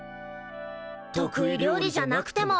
得意料理じゃなくても。